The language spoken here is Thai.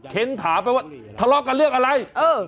เค้นถามไปว่าทะเลาะกันเรื่องอะไร